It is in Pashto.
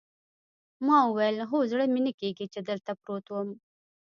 ما وویل: هو، زړه مې نه کېږي چې دلته پروت وم.